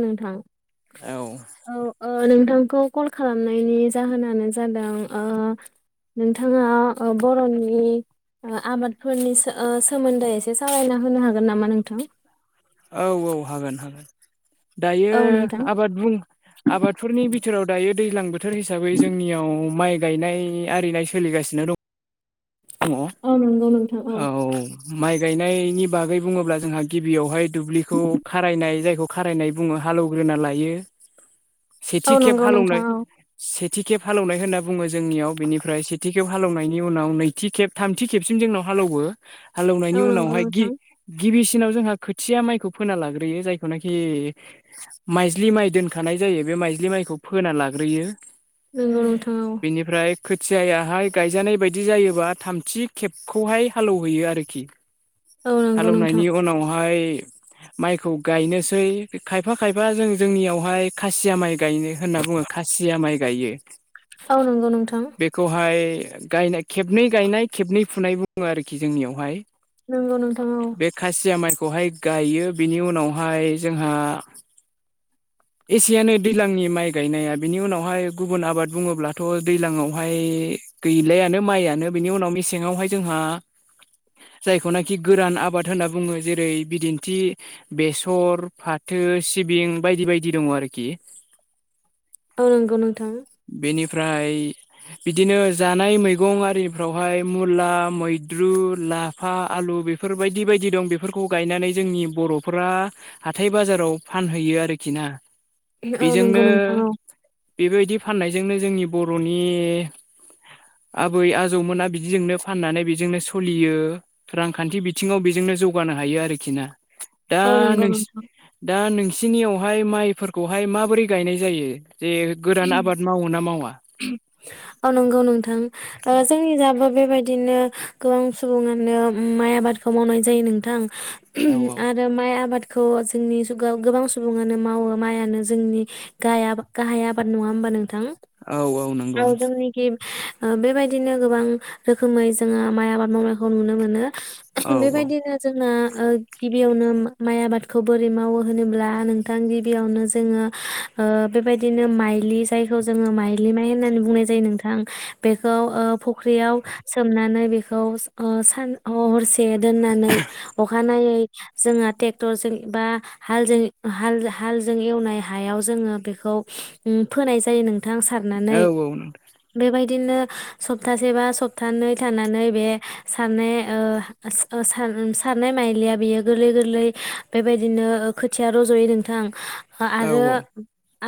नोंथां औ औ औ नोंथां खौ कल खालामनायनि जाहोनानो जादों ओ नोंथाङा ओ बर'नि ओ आबादफोरनि सो ओ सोमोन्दै एसे सावरायना होनो हागोन नामा नोंथां? औ औ हागोन हागोन दायो औ नोंथां आबाद बुं आबादफोरनि बिथोराव दायो दैज्लां बोथोर हिसाबै जोंनियाव माइ गायनाय आरिनाय सोलिगासिनो द दङ औ नंगौ नोंथां औ माइ गाइनायनि बागै बुङोब्ला जोंहा गिबियावहाय दुब्लिखौ खारायनाय जाय खौ खारायनाय बुङो हालेवग्रोना लायो औ सेथि खेब नंगौ नोंथां हालेवनाय औ से थि खेब हालौनाय होनना बुङो जोंनियाव बेनिफ्राय सेथि खेब हालेवनायनि उनाव नै थि खेब थामथि खेबसिम जोंनाव हालौवो हालौनायनि औ नंगौ उनावहाय गि नोंथां गिबि सिनाव जोंहा खोथिया माइखौ फोना लाग्रोयो जायखौनखि माइज्लि माइ दोनखानाय जायो बे माइज्लि माइखौ फोना लाग्रोयो। नंगौ नोंथां औ। खोथियाहाय गायजानाय बायदि जायोबा थामथि खेबखौहाय हालएवहैयो आरोखि। औ नंगौ नोंथां हालौनायनि उनावहाय माइखौ गायनोसै खायफा खायफा जों जोंनियावहाय खासिया माइ गायनो होनना बुङो खासिया माइ गायो औ नंगौ नोंथां बेखौहाय गायनाय खेबनै गायनाय खेबनै फुनाय बुङो आरोखि जोंनियावहाय। नंगौ नोंथां औ। खौहाय गायो बिनि उनावहाय जोंहा एसेयानो दैज्लांनि माइ गायनाया बिनि उनावहाय गुबुन आबाद बुङोब्लाथ' दैज्लांआवहाय गे- गैलायानो माइआनो बेनि उनाव मेसेंयावहाय जोंहा जायखौनाखि गोरान आबाद होनना बुङो जेरै बिदिन्थि बेसर, फाथो, सिबिं बायदि बायदि दङ आरोखि। औ नंगौ नोंथां। फ्राय बिदिनो जानाय मैगं आरिफ्रावहाय मुला, मैद्रु, लाफा, आलु बेफोरबायदि बायदि दं बेफोरखौ गायनानै जोंनि बर'फोरा हाथाय बाजाराव फानहैयो आरोखि। ना औ नंगौ बेजोंनो नोंथां औ बेबायदि बेजोंनो जोंनि बर'नि आबै आजौमोना बिदिजोंनो फाननानै बेजोंनो सलियो रांखान्थि बिथिङाव बेजों जौगानो हायो आरोखि ना दा औ नंगौ नोंसि नोंथां दा नों सिनियावहाय माइफोरखौहाय माबोरै गायनाय जायो जे गोरान आबाद मावो ना मावा? औ नंगौ नोंथां ओ जोंनि जाबो बेबायदिनो गोबां सुबुङानो माइ आबादखौ मावनाय जायो नोंथां। औ आरो माइ आबाद खौ जोंनि जुगाव गोबां सुबुङानो मावो माइआनो जोंनि गाय आब- गाहाय आबा द नङा होमबा नोंथां औ नंगौ औ नोंथां जोंनिखि ओ बेबायदिनो गोबां रोखोमै जोङो माइ आबाद मावनायखौ नुनो मोनो। औ बेबायदिनो जोंना गिबियावनो माइ आबादखौ बोरै मावो होनोब्ला नोंथां गिबियावनो जोङो ओ बेबायदिनो माइलि जायखौ जोङो माइलि माइ होननानै बुंनाय जायो नोंथां बेखौ ओ फुख्रियाव सोमनानै बेखौ ओ सान हरसे दोननानै अखानायै जोङो टेक्टरजों बा हालजों हाल-हालजों एवनाय हायाव जोङो बेखौ फोनाय जायो नोंथां औ सारनानै औ नोंथां बेबायदि नो सप्तासे बा सप्तानै थानानै बे सारनाय ओ स ओ सार सारनाय माइलिया बियो गोरलै गोरलै बेबायदिनो खोथिया रज'यो नोंथां। औ आरो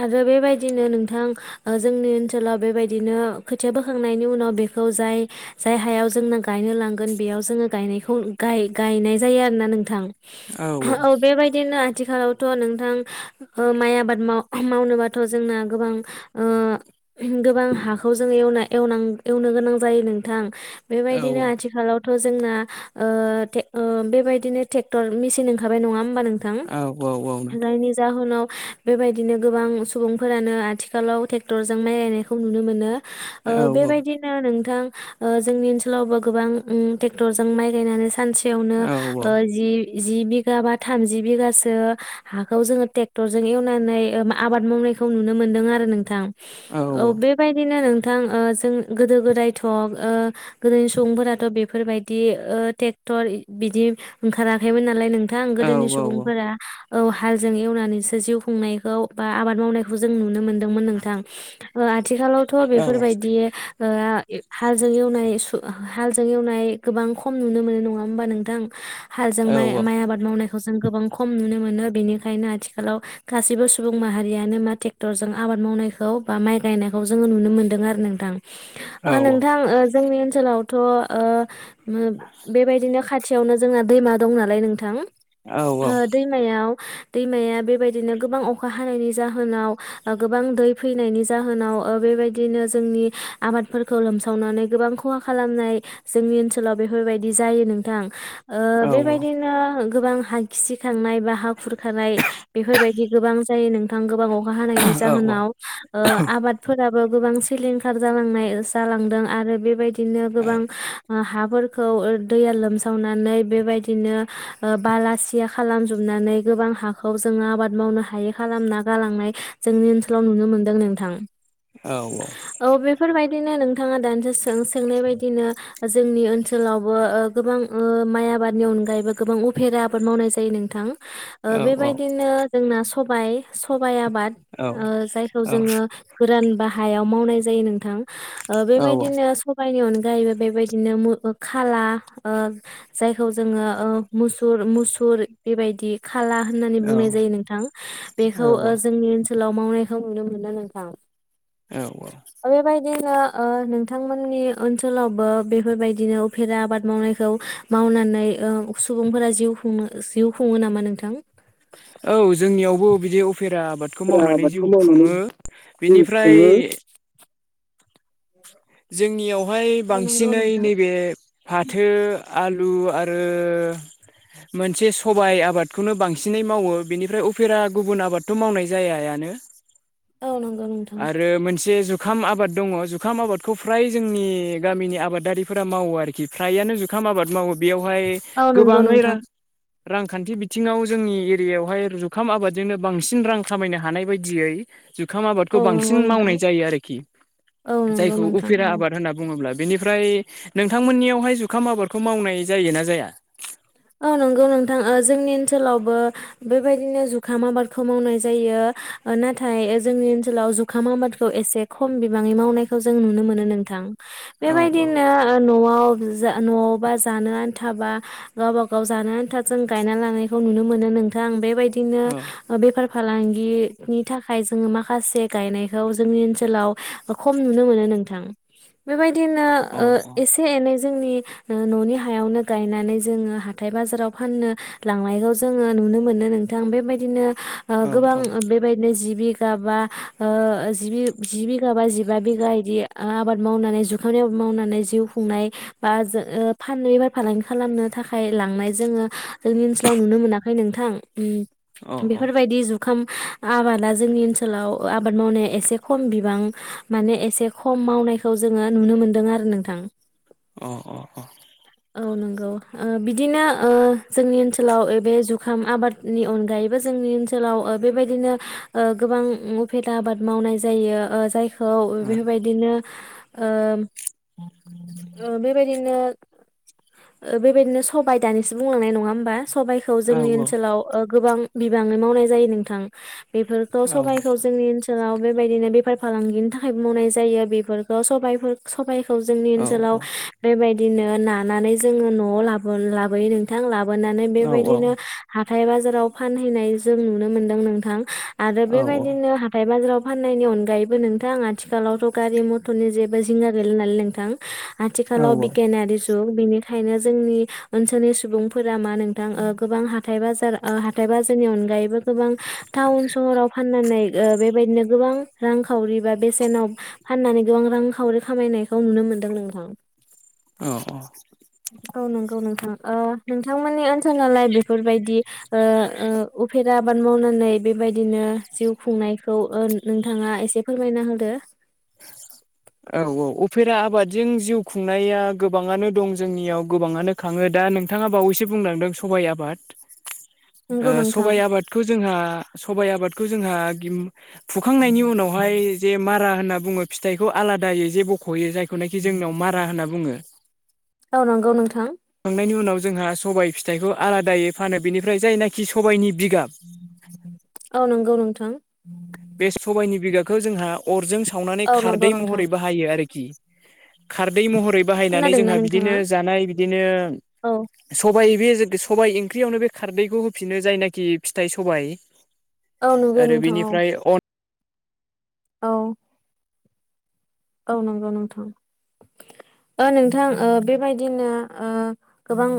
आरो बेबाय दिनो नोंथां ओ जोंनि ओनसोलाव बेबायदिनो खोथिया बोखांनायनि उनाव बेखौ जाय जाय हायाव जोंना गायनो लांगोन बेयाव जोङो गायनायखौ गाय- गायनाय जायो आरोना नोंथां। औ बेे बायदिनो आ थिखालावथ' नोंथां ओ माइ आबाद माव मावनोबाथ' जोंना गोबां ओ गोबां हाखौ जोङो एवना- एवनां एवनो गोनां जायो नोंथां। औ औ नोंथां औ बेबायदिनो आथिखालाव थ' जोंना ओ टे-ओ बेबायदिनो ट्रेक्टर मेसिन ओंखारबाय नङा होम बा नोंथां। जायनि जाहोनाव सुबुंफोरानो आथिखालाव ट्रेक्टरजों माइ गायनायखौ नुनो मोनो ओ बेबायदिनो नोंथां ओ जोंनि ओनसोलावबो गोबां उम ट्रेक्टरजों माइ गायनानै सानसेयावनो ओ जि जि बिगा बा थामजि बिगासो हाखौ जोङो ट्रेक्टरजों एवनानै आबाद मावनाय खौ नुनो मोनदों आरो नोंथां औ बेबायदिनो नों थां ओ जों गोदो गोदायथ' ओ गोदोनि सुबुंफोराथ' बेफोरबायदि ओ टेक टर बिदि ओंखाराखैमोन नालाय नों थां गोदोनि सुबुंफोरा औ हालजों एवनानैसो जिउ खुंनायखौ बा आबाद मावनायख जों नुनो मोन्दोंमोन नोंथां ओ आथिखालावथ' बेफोरबायदि ओ हालजों एवनाय सु हालजों एवनाय गोबां खम नुनो मोनो नङा होमबा नोंथां। हाल जों माइ-माइ आबाद मावनायखौ जों गोबां खम नुनो मोनो बेनिखायनो आथिखालाव गासैबो सुबुं माहारियानो मा ट्रेक्टरजों आबाद मावनायखौ बा माइ गायनायखौ जोङो नुनो मोन्दों आरो नोंथां। ओ नोंथां ओ जोंनि ओनसोलावथ' ओ बेबायदिनो खाथि यावनो जोंना दैमा दं नालाय नोंथां ओ दैमायाव दैमाया बेबायदिनो गोबां अखा हानायनि जाहोनाव गोबां दै फैनायनि जाहोनाव ओ बेबायदिनो जोंनि आबादफोरखौ लोमसावनानै गोबां खहा खालामनाय जोंनि ओनसोलाव बेफोरबायदि जायो नोंथां। ओ बेबायदिनो गोबां हा खिसि खांनाय बा हा खुरखानाय बेफोरबायदि गोबां जायो नोंथां खाहानायनि औ औ जाहोनाव ओ आबादफोरा बो गोबां सिलिंखार जालांनाय जालांदों आरो बेबायदिनो औ गोबां हा फोरखौ ओ दैया लावनानै बेबायदिनो ओ बालासिया खालामजोबनानै गोबां हाखौ जोङो आबाद मावनो हायै खालामना गालांनाय जोंनि ओनसोलाव नुनो मोनदों नोंथां औ औ बेफोरबाय बदिनो नोंथाङा दनिसो सों-सोंनाय बायदिनो जोंनि ओनसोलावबो ओ गोबां ओ माइ आबादनि अनगायैबो गोबां उफेरा आबाद मावनाय जायो नोंथां। ओ बेबायदिनो जोंना सबाय सबायाइ आबाद ओ जायखौ औ जोङो गोरान बा हायाव मावनाय जायो नोंथां। ओ औ बेबायदिनो सबाइनि अन गायै बेबायदिनो मुं ओ खाला ओ जायखौ जोङो ओ मुसुर मुसुर बेबायदि खाला होननानै बुंनाय जायो नोंथां बेखौ ओ जोंनि ओनसो नायखौ नुनो मोनो नोंथां। औ औ जोङो ओ नोंथांमोननि ओनसोलावबो बेफोरबायदिनो उफेरा आबाद मावनायखौ मा वनानै ओ सुबुंफोरा जिउ खुनो जिउ खुंङो नामा नोंथां? औ जोंनियावबो बिदि उ फेरा आबादखौ उफ्रा मावनानै आबादखौ जिउ मावनानै खुङो जिउ बेनिफ्राय खुङो। जोंनियावहाय औ नंगौ बांसिनै नोंथां नैबे फाथो आलु आरो मोनसे सबाय आबादखौनो बांसिनै मावो बेनिफ्राय उफेरा गुबुन आबादथ' मावनाय जाया। नो औ नंगौ नोंथां आरो मोनसे जुाखाम आबद दङ जुखाम आबाद खौ फ्राय जोंनि गामिनि आबादारिफोरा मावो आरोखि फ्रायानो जुखाम आबाद मावो। बेवहाय औ नंगौ गोबाङै नोंथां रां रांखान्थि बिथिङाव जोंनि एरियायावहाय जुखाम आबादजोंनो बांसिन रां खामायनो हानाय बायदियै जुखाम आबादखौ औ नंगौ बांसिन नोंथां मावनाय जायो आरोखि औ नंगौ जायखौ नोंथां उफिरा औ आबाद होनना बुङोब्ला बेनिफ्राय नोंथांमोननियावहाय जुखाम आबादखौ मावनाय जायोना जाया। औ नंगौ नोंथां ओ जोंनि ओनसोलावबो बेबायदिनो जुखाम आबादखौ मावनाय जायो। नाथाय जोंनि ओनसोलाव जुखाम आबादखौ एसे खम बिबाङै मावनायखौ जों नुनो मोनो नोंथां। औ बेबायदिनो न'आव न'आवबा जानो आनथाबा गावब गाव जानो आन्था जों गायना लांनायखौ नुनो मोनो नोंथां बेबायदिनो बेफा फालांगिनि थाखाय जोङो माखासे गायनायखौ जोंनि ओनसोलाव खम नुनो मोनो। नोंथां बेबाय दिनो औ ओ एसे एनै जोंनि न'नि हायावनो गायनानै जोङो हाथाय बाजाराव फाननो लांनायखौ जोङो नुनो मोनो नोंथां बेबायदिनो ओ अ गोबां बेबायदिनो जि बिगाबा ओ जिबि-् जि बिगा बा जिबा बिगा बिदि आब मावनानै जुखाम मावनानै जिउ खुंनाय बा जो ओ फाननो एबा फालांगि खालामनो थाखाय लांनाय जोङो जोंनि ओनसोलाव नुनो मोनाखै नोंथां औ उम अ बेफोरबायदि जुखाम आबादा जोंनि ओनसोलाव आबाद मावनाया एसे खम बिबां माने एसे खम मावनायखौ जोङो नुनो मोनदों आरो नोंथां अ अ औ नंगौ ओ बिदिनो ओ जोंनि ओनसोलाव बे जुखाम आबादनि अनगायैबो जोंनि ओनसोलाव ओ बेबायदिनो ओ गोबां उफेद आबाद मावनाय जायो ओ जाय खौ बेफोरबायदिनो ओ बेबायदिनो बेबायदिनो सबायाइ दानिसो बुंलांनाय नङा होमबा सबाइखौ अ औ जोंनि ओनसोलाव गोबां बिबाङै मावनाय जायो नोंथां बेफोरखौ औ सबायखौ जोंनि ओन ओनसोलाव बेबायदिनो बेफार फालांगिनि थाखाय मावनाय जायो बेफोरखौ सबाय खौ जोंनि औ ओनसोलाव बेबायदिनो नानानै जोङो न'आव ला लाबोयो नोंथां लाबो। गोननानै बेबायदिनो हाथाय बाजाराव फानहैनाय जों नुनो मोनदों नोंथां। आरो बेबायदिनो हाथाय बाजाराव फाननायनि अनगायैबो नोंथां आथिखालावथ' गारि मथरनि जेबो जिंगा गैलानालाय नोंथां। औ आथिखालाव बेटेनारि जुग। खायनो जोंनि ओनसोलनि सुबुंफोरा मा नोंथां गोबां हाथाइ बाजार हाथाय बाजारनि अन अनगायैबो गोबां टाउन सहराव फाननानै बेबायदिनो गोबां रांखावरि बा बेसेनाव फाननानै गोबां रां खावरि खामायनायखौ नुनो मोन्दों नोंथां। औ औ। औ नंगौ नोंथां नोंथांमोननि नालाय बेफोरबायदि ओ ओ आबाद मावनानै बेबायदिनो जिउ खुंनायखौ नोंथाङा एसे फोरमायना होदो औ औ अफेरा आबादजों जिउ खुंनाया गोबाङानो दं जोंनियाव गोबाङानो खाङो दा दा नोंथाङा बावैसो बुंलांदों सबाइ आबाद नंगौ नोंथां सबाइ आबादखौ जोंहा सबाइ आबादखौ जोंहा फुखांनायनि उनावहाय जे मारा होनना बुङो फिथाइखौ आलादायै जे बख'यो जाय बेखौनोखि जोंनाव मारा होनना बुङो। औ नंगौ नोंथां। नि उनाव जोंहा सबाय फिथाइखौ आलादायै फानो बेनिफ्राय जायनाखि सबायनि औ नंगौ नोंथां। बे सबाइनि बिगाखौ जोंहा अरजों सावनानै औ नंगौ खारदै नोंथां। महरै बाहायो आरोखि। खारदै महरै बाहायनानै खोनादोंना जोंहा नोंथाङा? बिदिनो जानाय बिदिनो औ सबाइ बे सबाइ ओंख्रियावनो बे खारदैखौ होफिनो जायनाखि फिथाइ सबायाइ औ नंगौ नोंथां औ। अन औ। औ नंगौ नोंथां। ज [inaudible] ओ नोंथां बेबायदिनो गोबां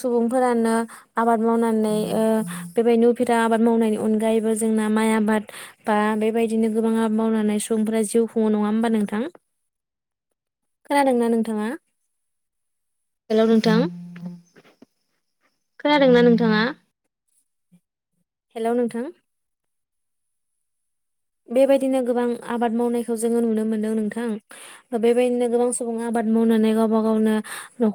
सुबुंफोरानो आबाद मावनो बेबादिनो उफेरा आबाद मावनायनि अनगायैबो जोंना माइ आबाद गोबां आब मावनानै सुबुंफोरा जिउ खुङो नङा होनबा नोंथां? खोनादोंना नोंथाङा? हेल' नोंथां? खोनादोंना नोंथाङा? हेल' नोंथां! बेबायदिनो गोबां आबाद मावनायखौ जोङो नुनो मोनदों नोंथां बेबायदिनो गोबां सुबुंङा आबाद आबाद मावनानै गावबा गावनो